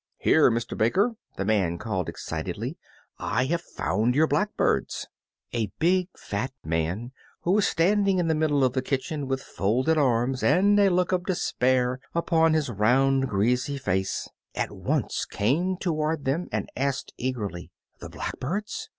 "Here, Mister Baker!" the man called, excitedly, "I have found your blackbirds!" A big, fat man who was standing in the middle of the kitchen with folded arms and a look of despair upon his round, greasy face, at once came toward them and asked eagerly, "The blackbirds?